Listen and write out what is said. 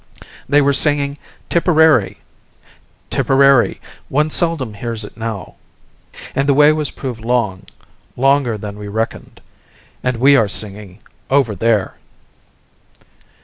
They were singing "Tipperary!" "Tipperary!" One seldoms hears it now, and the way has proved long longer than we reckoned. And we are singing "Over There!"